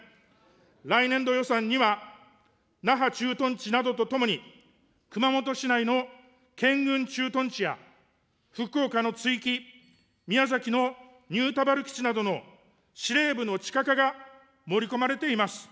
来年度予算には、那覇駐屯地などとともに、熊本市内の健軍駐屯地や福岡の築城、宮崎の新田原基地などの司令部の地下化が盛り込まれています。